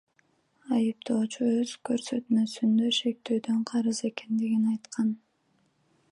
Айыптоочу өз көрсөтмөсүндө шектүүдөн карыз экендигин айткан.